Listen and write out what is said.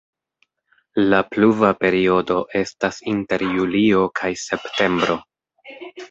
La pluva periodo estas inter julio kaj septembro.